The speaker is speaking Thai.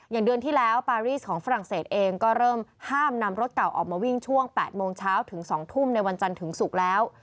เดือนที่แล้วปารีสของฝรั่งเศสเองก็เริ่มห้ามนำรถเก่าออกมาวิ่งช่วง๘โมงเช้าถึง๒ทุ่มในวันจันทร์ถึงศุกร์แล้ว